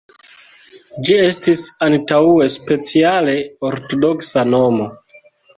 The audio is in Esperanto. Ĝi estis antaŭe speciale ortodoksa nomo.